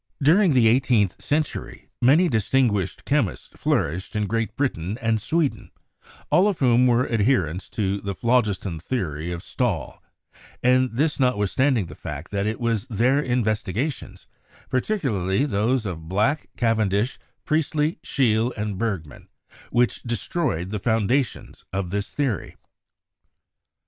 During the eighteenth century many distinguished chemists flourished in Great Britain and Sweden, all of vvnom were adherents to the phlogiston theory of Stahl, and this notwithstanding the fact that it was their inves tigations, particularly those of Black, Cavendish, Priest THE PHLOGISTIC PERIOD PROPER 113 ley, Scheele, and Bergman, which destroyed the founda tions of this theory.